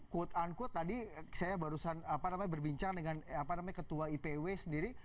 quote unquote tadi saya barusan berbincang dengan ketua ipw sendiri